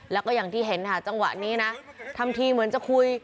แล้วก็อย่างที่เห็นค่ะจังหวะนี้นะทำทีเหมือนจะคุย